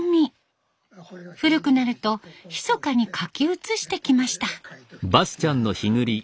古くなるとひそかに書き写してきました。